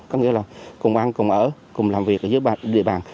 có nghĩa là cùng ăn cùng ở cùng làm việc ở dưới địa bàn